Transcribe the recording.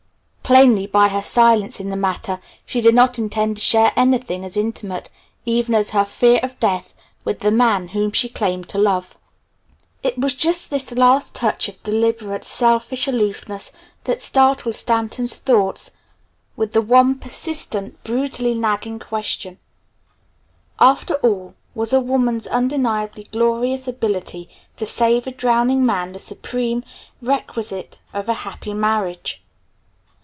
Plainly, by her silence in the matter, she did not intend to share anything as intimate even as her fear of death with the man whom she claimed to love. It was just this last touch of deliberate, selfish aloofness that startled Stanton's thoughts with the one persistent, brutally nagging question: After all, was a woman's undeniably glorious ability to save a drowning man the supreme, requisite of a happy marriage?